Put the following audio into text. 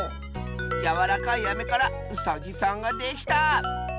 やわらかいアメからウサギさんができた！